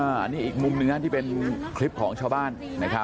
อันนี้อีกมุมหนึ่งนะเป็นคลิปของชาวบ้านนะครับ